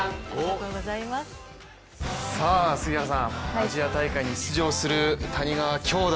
アジア大会に出場する谷川兄弟